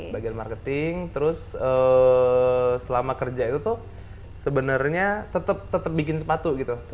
bagian marketing terus selama kerja itu tuh sebenarnya tetap bikin sepatu gitu